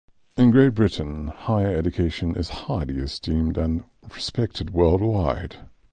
In Great Britain, higher education is highly esteemed and respected worldwide.